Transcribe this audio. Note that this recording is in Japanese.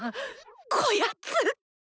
こやつ。